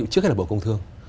trước khi là bộ công thương